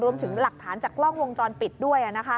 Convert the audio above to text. รวมถึงหลักฐานจากกล้องวงจรปิดด้วย